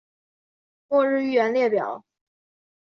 末日预言列表